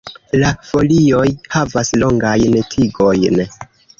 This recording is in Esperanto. La folioj havas longajn tigojn.